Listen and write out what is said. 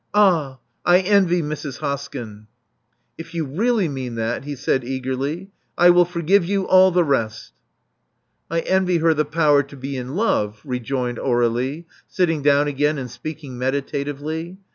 Ah! I envy Mrs. Hoskyn." If you really mean that," he said eagerly, "I will forgive you all the rest." '*! envy her the power to be in love," rejoined Aur^lie, sitting down again, and speaking meditatively.